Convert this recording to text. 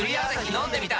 飲んでみた！